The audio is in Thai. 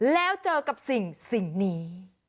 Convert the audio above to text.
แล้วเจอกับสิ่งนี้